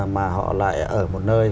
mà họ lại ở một nơi